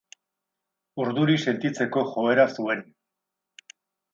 Urduri sentitzeko joera zuen.